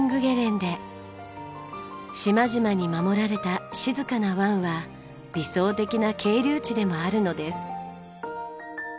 島々に守られた静かな湾は理想的な係留地でもあるのです。